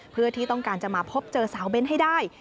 เพื่อที่ต้องการจะมาพบเจอสาวเบ้นให้ได้